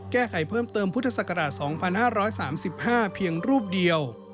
แก้ไขเพิ่มเติมพุทธศักราช๒๕๓๕เพียงรูปเดียว